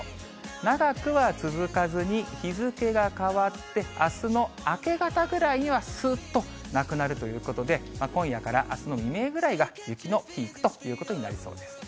長くは続かずに、日付が変わって、あすの明け方くらいには、すーっとなくなるということで、今夜からあすの未明ぐらいが雪のピークということになりそうです。